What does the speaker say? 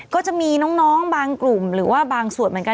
ก็จะมีน้องบางกลุ่มหรือว่าบางส่วนเหมือนกัน